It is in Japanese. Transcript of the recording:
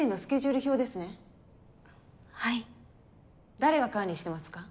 誰が管理してますか？